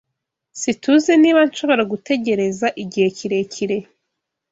SiTUZI niba nshobora gutegereza igihe kirekire.